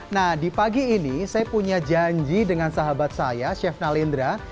nah di pagi ini saya punya janji dengan sahabat saya chef nalindra